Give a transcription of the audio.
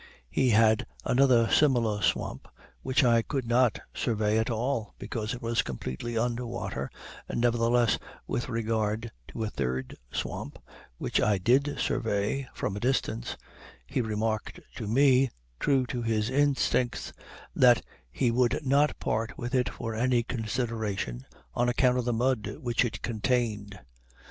He had another similar swamp which I could not survey at all, because it was completely under water, and nevertheless, with regard to a third swamp, which I did survey from a distance, he remarked to me, true to his instincts, that he would not part with it for any consideration, on account of the mud which it contained.